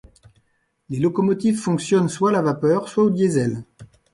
Les locomotives fonctionnent soit à la vapeur, soit au diesel.